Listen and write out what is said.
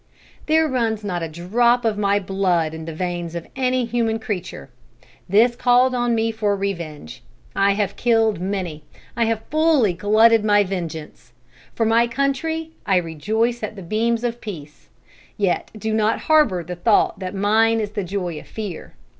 There runs not a drop of my blood in the veins of any human creature. This called on me for revenge. I have killed many. I have fully glutted my vengeance. For my country, I rejoice at the beams of peace. Yet do not harbor the thought that mine is the joy of fear.